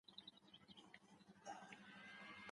هرات بې شاعرانو نه دی.